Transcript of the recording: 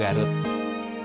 ayah nanti mau ke garut